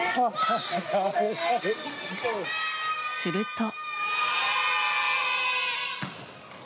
すると。